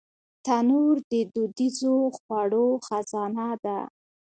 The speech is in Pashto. تنور د دودیزو خوړو خزانه ده